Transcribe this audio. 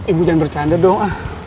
ibu jangan bercanda dong